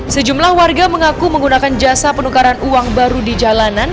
sejumlah warga mengaku menggunakan jasa penukaran uang baru di jalanan